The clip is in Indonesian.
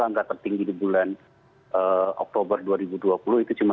angka tertinggi di bulan oktober dua ribu dua puluh itu cuma